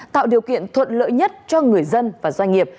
tạo điều kiện thuận lợi nhất cho người dân và doanh nghiệp